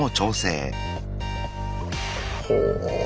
ほう。